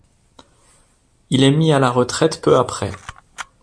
Il est mis à la retraite peu après.